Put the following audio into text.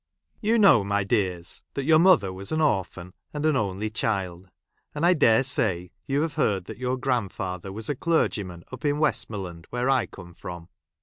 You know, my dears, that your mother was an orphan, and an only child ; and I dare say you have heard that your grand¬ father was a clergyman up in Westmoreland, where I come from.